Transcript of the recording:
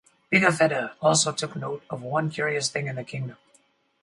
Pigafetta also took note of one curious thing in the kingdom.